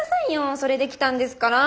それで来たんですからー。